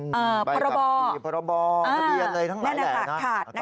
ใบขับขี่พระบอทะเลียนอะไรทั้งหลายแหล่ง